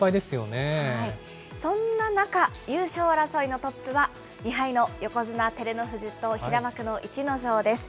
そんな中、優勝争いのトップは２敗の横綱・照ノ富士と、平幕の逸ノ城です。